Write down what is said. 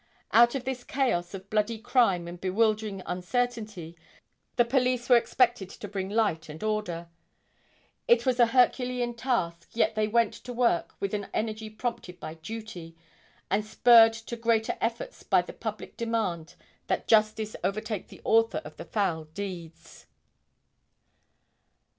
Out of this chaos of bloody crime and bewildering uncertainty, the police were expected to bring light and order. It was a herculean task yet they went to work with an energy prompted by duty, and spurred to greater efforts by the public demand that justice overtake the author of the foul deeds.